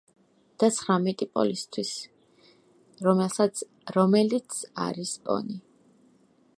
და ცხრამეტი პოლისთვის, რომელსაც, რომელიც არის პონი.